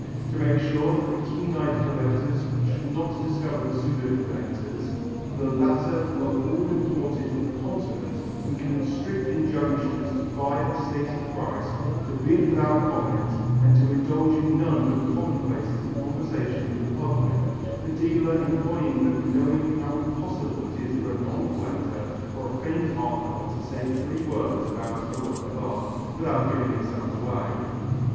To make sure that the keen eyed collectors should not discover the pseudo collectors, the latter were all imported from the Continent and given strict injunctions to buy at the stated price, to bid without comment and to indulge in none but commonplaces in conversation with the public, the dealer employing them knowing how impossible it is for a non collector or a feigned art lover to say three words about a work of art, without giving himself away.